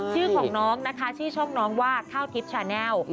ชื่อของน้องนะคะชื่อช่องน้องว่าข้าวทิพย์ชาแนล